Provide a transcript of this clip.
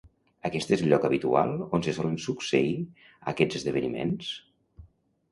Aquest és el lloc habitual on se solen succeir aquests esdeveniments?